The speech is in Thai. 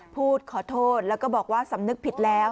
พูดขอโทษแล้วก็บอกว่าสำนึกผิดแล้ว